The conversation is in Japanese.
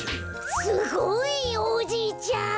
すごい！おじいちゃん。